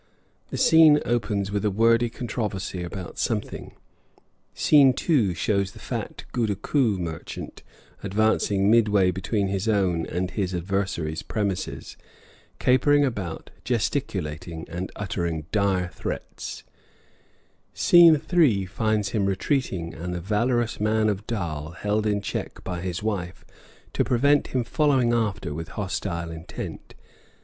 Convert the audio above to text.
The scene opens with a wordy controversy about something; scene two shows the fat goodakoo merchant advanced midway between his own and his adversary's premises, capering about, gesticulating, and uttering dire threats; scene three finds him retreating and the valorous man of dhal held in check by his wife to prevent him following after with hostile intent.